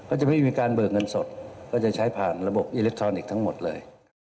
จะไม่มีการเบิกเงินสดก็จะใช้ผ่านระบบอิเล็กทรอนิกส์ทั้งหมดเลย